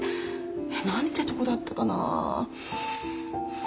何てとこだったかな。